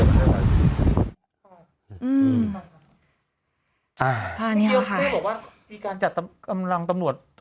อืมอ่าอันนี้ค่ะพี่บอกว่าทีการจัดกำลังตำรวจ